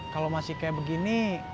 kalau masih kayak begini